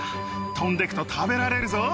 飛んでくと食べられるぞ。